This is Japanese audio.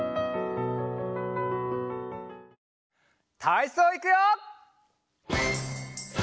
たいそういくよ！